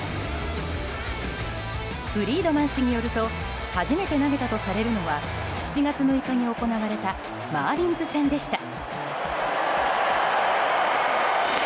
フリードマン氏によると初めて投げたとされるのは７月６日に行われたマーリンズ戦でした。